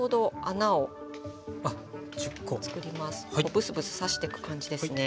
ブスブス刺していく感じですね。